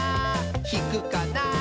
ひくかな？